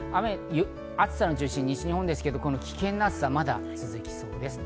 暑さの中心は西日本ですけど、危険な暑さがまだ続きそうです。